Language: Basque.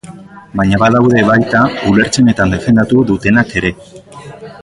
Baina badaude baita ulertzen eta defendatu dutenak ere.